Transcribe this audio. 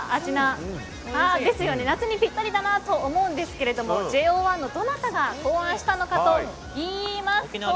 夏にぴったりだなと思うんですけれどもＪＯ１のどなたが考案したのかといいますと。